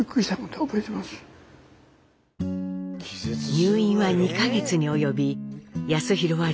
入院は２か月に及び康宏は留年。